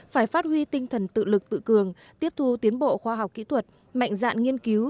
phải phát huy tinh thần tự lực tự cường tiếp thu tiến bộ khoa học kỹ thuật mạnh dạn nghiên cứu